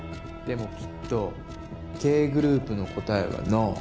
でもきっとＫグループの答えはノー。